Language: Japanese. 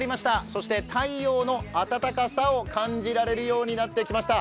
そして太陽の暖かさを感じられるようになってきました。